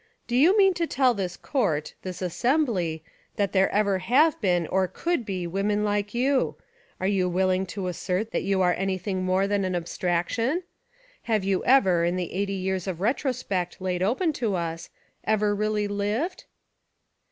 "Do you mean to tell this court, — this assembly, — that there ever have been or could be women like you; are you willing to assert that you are anything more than an abstraction? Have you ever, In the eighty years of retrospect laid open to us, ever really lived?"